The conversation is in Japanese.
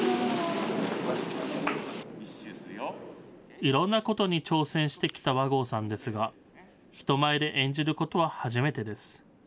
いろんなことに挑戦してきた和合さんですが、人前で演じることは初めてです。